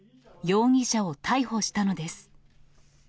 容疑者を逮捕したのです。